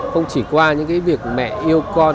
không chỉ qua những cái việc mẹ yêu con